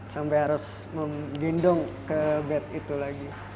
sampai harus menggendong ke bed itu lagi